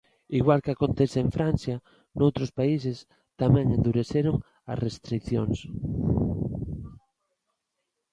Igual que acontece en Francia, noutros países tamén endureceron as restricións.